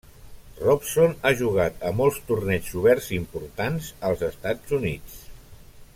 Robson ha jugat a molts torneigs oberts importants als Estats Units.